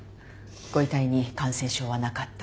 ご遺体に感染症はなかった。